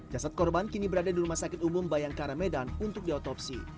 jasad korban kini berada di rumah sakit umum bayangkara medan untuk diotopsi